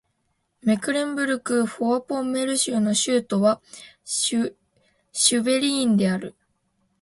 メクレンブルク＝フォアポンメルン州の州都はシュヴェリーンである